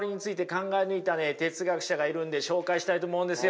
考え抜いた哲学者がいるんで紹介したいと思うんですよ。